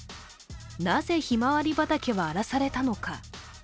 なぜひまわり畑は荒らされたのか。